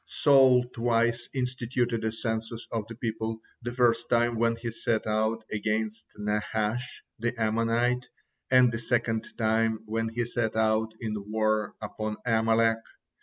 Saul twice instituted a census of the people, the first time when he set out against Nahash, the Ammonite, and the second time when he set out in war upon Amalek.